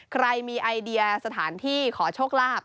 ใครมีไอเดียสถานที่ขอโชคลาภ